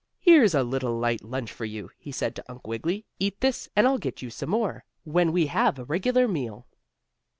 "Here's a little light lunch for you," he said to Uncle Wiggily. "Eat this, and I'll get you some more, when we have a regular meal."